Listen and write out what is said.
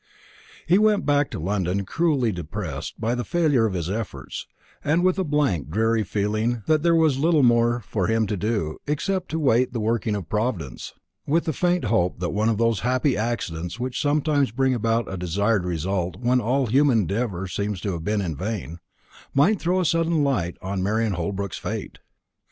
He went back to London cruelly depressed by the failure of his efforts, and with a blank dreary feeling that there was little more for him to do, except to wait the working of Providence, with the faint hope that one of those happy accidents which sometimes bring about a desired result when all human endeavour has been in vain, might throw a sudden light on Marian Holbrook's fate.